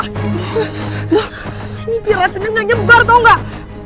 ini piracunya gak nyebar tau gak